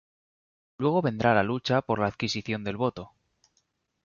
Luego vendrá́ la lucha por la adquisición del voto.